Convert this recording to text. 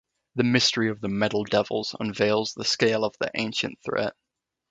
The mystery of the metal devils unveils the scale of the ancient threat.